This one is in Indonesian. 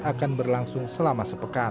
akan berlangsung selama sepekan